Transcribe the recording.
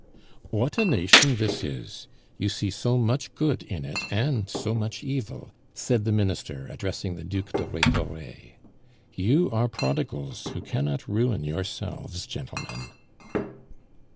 "What a nation this is! You see so much good in it and so much evil," said the Minister, addressing the Duc de Rhetore. "You are prodigals who cannot ruin yourselves, gentlemen."